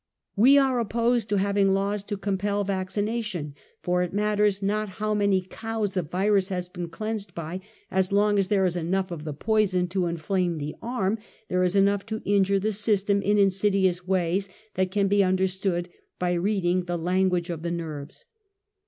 "We are opposed to having laws to compel vaccina tion, for it matters not how many cows the virus has \ been cleansed by, as long as there is enough of the *>! poison to inflame the arm there is enough to injure the system, in insidious ways, that can be understood by reading the language of the rierves.